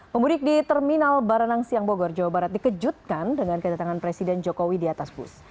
pemudik di terminal baranang siang bogor jawa barat dikejutkan dengan kedatangan presiden jokowi di atas bus